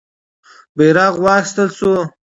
بیرغ واخیستل سو.